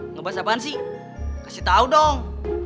ngebahas apaan sih kasih tahu dong